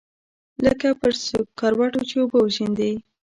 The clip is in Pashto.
لکه پر سکروټو چې اوبه وشيندې.